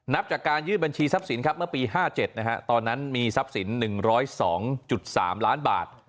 นับจากการยื่นบัญชีทรัพย์สินครับเมื่อปี๕๗ตอนนั้นมีทรัพย์สิน๑๐๒๓ล้านบาท